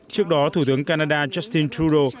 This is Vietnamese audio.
trước đó thủ tướng canada justin trudeau